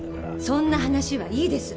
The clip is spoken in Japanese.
そんな話はいいです。